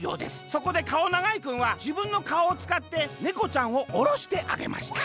そこでかおながいくんはじぶんのかおをつかってねこちゃんをおろしてあげました」。